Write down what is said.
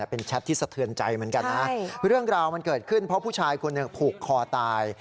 เป็นแชทที่สะเทือนใจเหมือนกันนะเรื่องราวมันเกิดขึ้นเพราะผู้ชายคนหนึ่งผูกคอตาย